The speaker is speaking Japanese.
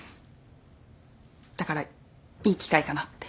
だからいい機会かなって。